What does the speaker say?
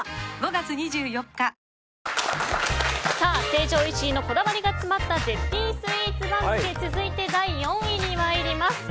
成城石井のこだわりが詰まった絶品スイーツ番付続いて、第４位に参ります。